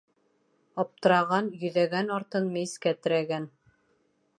Аптыраған, йөҙәгән артын мейескә терәгән.